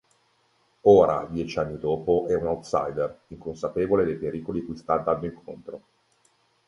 Ora, dieci anni dopo, è un outsider, inconsapevole dei pericoli cui sta andando incontro.